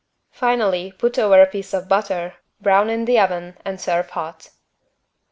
Finally put over a piece of butter, brown in the oven and serve hot.